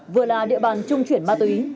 vừa là địa bàn trung chuyển ma túy